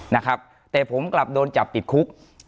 นะครับแต่ผมกลับโดนจับติดคุก